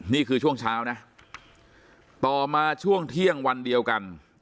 นี่คือช่วงเช้านะต่อมาช่วงเที่ยงวันเดียวกัน